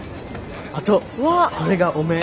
あとこれがお面。